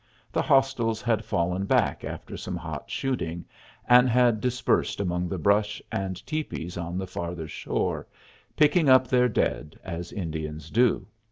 The hostiles had fallen back after some hot shooting, and had dispersed among the brush and tepees on the farther shore, picking up their dead, as Indians do.